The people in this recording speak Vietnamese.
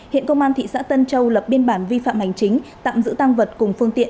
hiện công an thị xã tân châu lập biên bản vi phạm hành chính tạm giữ tăng vật cùng phương tiện